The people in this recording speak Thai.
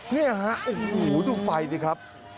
เนี่ยฮะโอ้โหดูไฟสิครับ